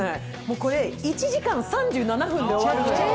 これ１時間３７分で終わるの。